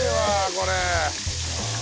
これ。